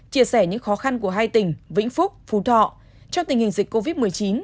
chia sẻ những khó khăn của hai tỉnh vĩnh phúc phú thọ trong tình hình dịch covid một mươi chín